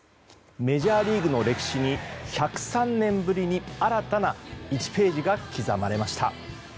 メジャーリーグの歴史に１０３年ぶりに新たな１ページが刻まれました。